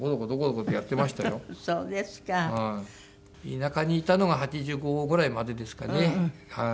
田舎にいたのが８５ぐらいまでですかね。